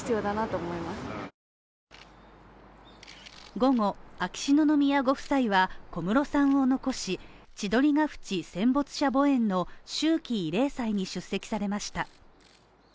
午後、秋篠宮ご夫妻は、小室さんを残し、千鳥ヶ淵戦没者墓苑の秋季慰霊祭に出席されました。